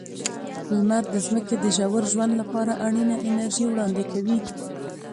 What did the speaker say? لمر د ځمکې د ژور ژوند لپاره اړینه انرژي وړاندې کوي.